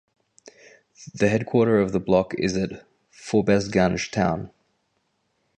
The headquarter of the block is at Forbesganj town.